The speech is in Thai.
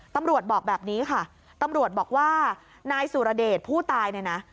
ตำรวจบอกแบบนี้ค่ะตำรวจบอกว่านายสุรเดชผู้ตายเนี่ยนะ